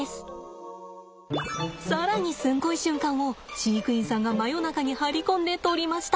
更にすんごい瞬間を飼育員さんが真夜中に張り込んで撮りました。